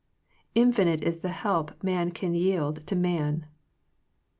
Infinite it the help man can yield to man.